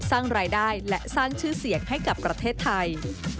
สร้างรายได้และสร้างชื่อเสียงให้กับประเทศไทย